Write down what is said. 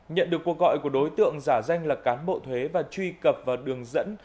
nhận được cuộc gọi của đối tượng giả danh là cán bộ thuế và truy cập vào đường dẫn